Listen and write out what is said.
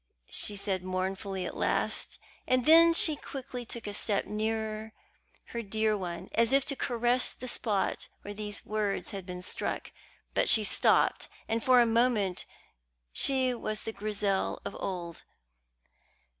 she said mournfully at last; and then she quickly took a step nearer her dear one, as if to caress the spot where these words had struck him. But she stopped, and for a moment she was the Grizel of old.